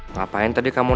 ngapain tadi kamu nek